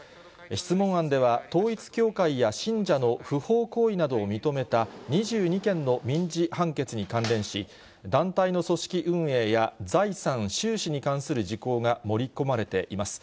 質問案では、統一教会や信者の不法行為などを認めた２２件の民事判決に関連し、団体の組織運営や財産、収支に関する事項が盛り込まれています。